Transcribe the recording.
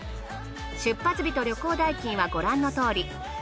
出発日と旅行代金はご覧のとおり。